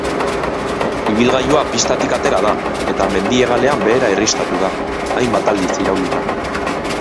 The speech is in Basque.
Ibilgailua pistatik atera da eta mendi-hegalean behera irristatu da, hainbat aldiz iraulita.